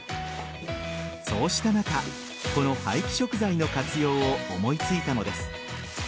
そうした中この廃棄食材の活用を思いついたのです。